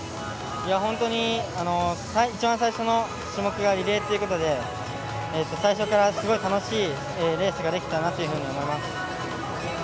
本当に一番最初の種目がリレーということで最初からすごい楽しいレースができたなというふうに思います。